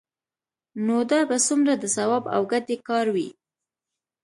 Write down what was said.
نو دا به څومره د ثواب او ګټې کار وي؟